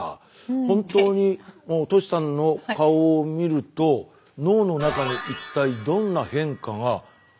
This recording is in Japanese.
本当にトシさんの顔を見ると脳の中に一体どんな変化が起こるのかという。